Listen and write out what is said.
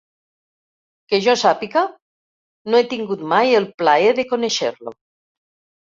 Que jo sàpiga, no he tingut mai el plaer de conèixer-lo.